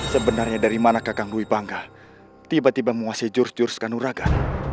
sebenarnya dari mana kakang dwi bangga tiba tiba menguasai jurus jurus kanuraga